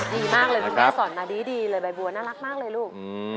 ดีมากเลยคุณแม่สอนมาดีเลยใบบัวน่ารักมากเลยลูก